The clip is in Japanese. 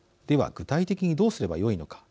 具体的にどうすればよいのか。